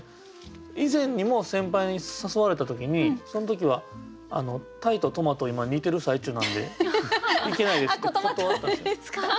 以前にも先輩に誘われた時にそん時は「鯛とトマト今煮てる最中なんで行けないです」って断ったんです。